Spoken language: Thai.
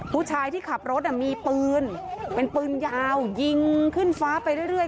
ผู้ชายที่ขับรถมีปืนเป็นปืนยาวยิงขึ้นฟ้าไปเรื่อย